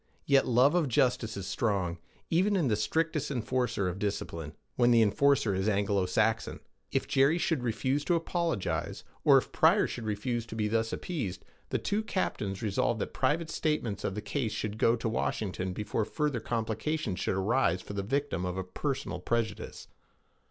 Yet love of justice is strong, even in the strictest enforcer of discipline when the enforcer is Anglo Saxon. If Jerry should refuse to apologize, or if Pryor should refuse to be thus appeased, the two captains resolved that private statements of the case should go to Washington before further complications should arise for the victim of a personal prejudice.